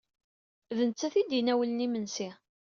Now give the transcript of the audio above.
D nettat ay d-inawlen imensi-a.